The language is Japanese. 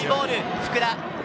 福田。